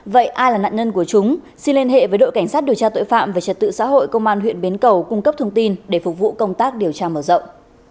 vậy ai là nạn nhân của chúng xin liên hệ với đội cảnh sát điều tra tội phạm về trật tự xã hội công an huyện bến cầu cung cấp thông tin để phục vụ công tác điều tra mở rộng